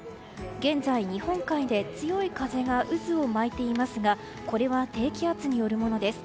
現在、日本海で強い風が渦を巻いていますがこれは低気圧によるものです。